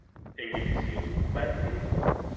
انگلیسی او بد نیست.